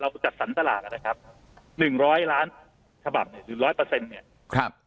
จัดสรรตลาดนะครับหนึ่งร้อยล้านฉบับเนี่ยหรือร้อยเปอร์เซ็นต์เนี่ยครับ